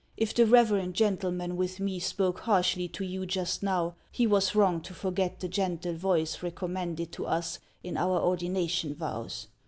If the reverend gentleman with me spoke harshly to you just now, he was wrong to forget the gentle voice recommended to us in our ordina tion vows.